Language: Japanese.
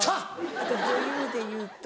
あと女優で言うと。